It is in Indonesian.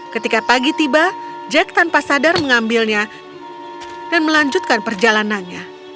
ketika pagi tiba jack tanpa sadar mengambilnya dan melanjutkan perjalanannya